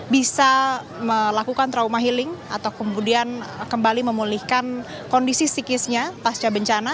bisa melakukan trauma healing atau kemudian kembali memulihkan kondisi psikisnya pasca bencana